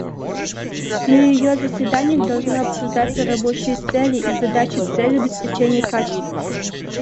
На ее заседаниях должны обсуждаться рабочие цели и задачи с целью обеспечения качества.